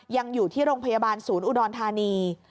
ยังอยู่ที่โรงพยาบาลศูนย์อุดรธานี